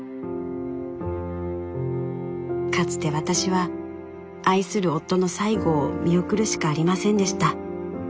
かつて私は愛する夫の最期を見送るしかありませんでした。